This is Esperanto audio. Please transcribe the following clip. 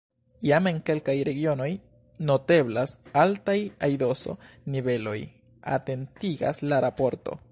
Jam en kelkaj regionoj noteblas altaj aidoso-niveloj, atentigas la raporto.